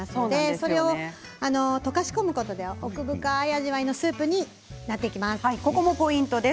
それを溶かし込むことで奥深い味わいのスープにここもポイントです。